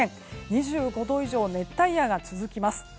２５度以上、熱帯夜が続きます。